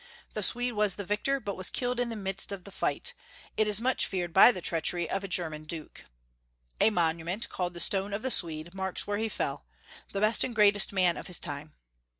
The Swede was the victor, but was killed in the midst of the fight, it is much feared by the treachery of a Ger man Duke. A monument, called the Stone of the Swede, marks where he fell — the best and great est man of his time.